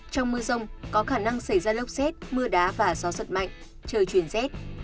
trong mưa rông có khả năng xảy ra lốc rét mưa đá và gió sật mạnh trời chuyển rét